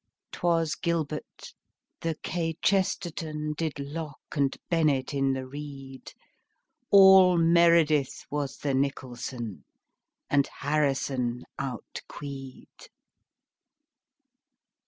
'Twas gilbert. The kchesterton Did locke and bennett in the reed. All meredith was the nicholson, And harrison outqueed.